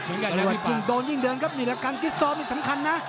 หรือว่าจริงโดนยิ่งเดินครับนี่แหละกันจิตซอมมันสำคัญนะ